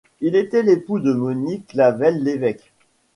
Il était l'époux de Monique Clavel-Lévêque.